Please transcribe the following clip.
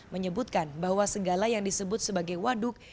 menyebutkan bahwa segala yang disebut sebagai waduk